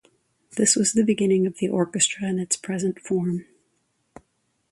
This was the beginning of the orchestra in its present form.